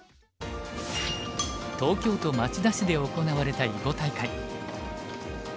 東京都町田市で行われた囲碁大会。